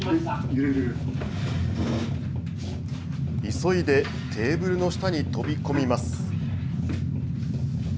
急いでテーブルの下に飛び込みます。